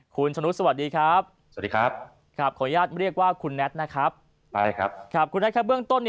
คุณชนุดสวัสดีครับขออนุญาตเรียกว่าคุณแนทนะครับคุณแนทครับเบื้องต้น